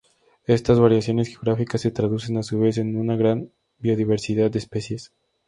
Estas variaciones geográficas se traducen a su vez en una gran biodiversidad de especies.